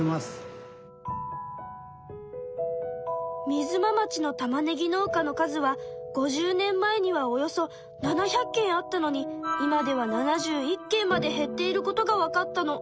みづま町のたまねぎ農家の数は５０年前にはおよそ７００軒あったのに今では７１軒まで減っていることがわかったの。